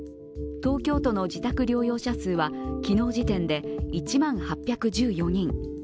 東京都の自宅療養者数は昨日時点で１万８１４人。